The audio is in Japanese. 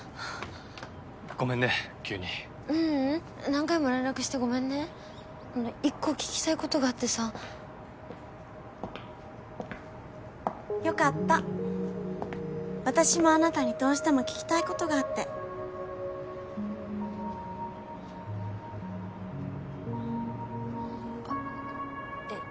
急にううん何回も連絡してごめんね１個聞きたいことがあってさ・・よかった私もあなたにどうしても聞きたいことがあってあっえっ